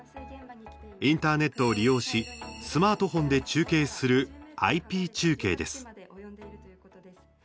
インターネットを利用しスマートフォンで中継するＩＰ中継です。